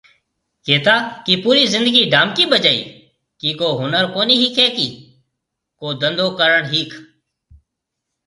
ڪهتا ڪي پوري زندگي ڊانبڪي بجائي ڪي ڪو هُنر ڪونهي ۿيکي ڪي، ڪو ڌنڌو ڪرڻ ۿيک